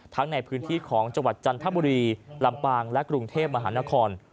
ในพื้นที่ของจังหวัดจันทบุรีลำปางและกรุงเทพมหานคร